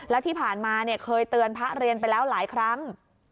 และที่ผ่านมาเคยเตือนพระเรียนไปแล้วหลายครั้ง